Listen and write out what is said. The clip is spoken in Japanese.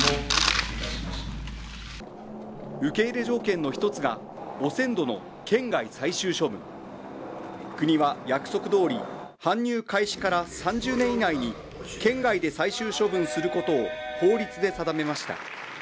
受け入れ条件の１つが汚染土の県外最終処分国は約束どおり搬入開始から３０年以内に県外で最終処分することを法律で定めました